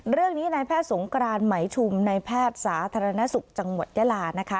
เรื่องนี้นายแพทย์สงกรานไหมชุมในแพทย์สาธารณสุขจังหวัดยาลานะคะ